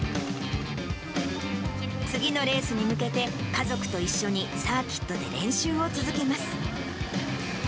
次のレースに向けて、家族と一緒にサーキットで練習を続けます。